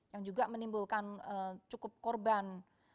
yang juga menimbulkan cukup korban